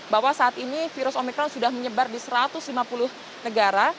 bahwa saat ini virus omikron sudah menyebar di satu ratus lima puluh negara